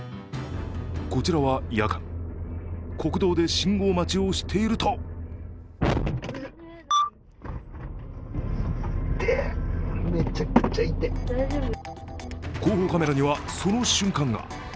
こちらは夜間、国道で信号待ちをしていると後方カメラには、その瞬間が。